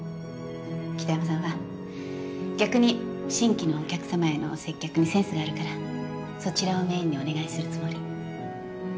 北山さんは逆に新規のお客さまへの接客にセンスがあるからそちらをメインにお願いするつもり。